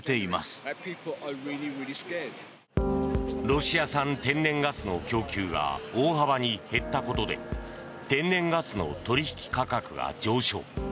ロシア産天然ガスの供給が大幅に減ったことで天然ガスの取引価格が上昇。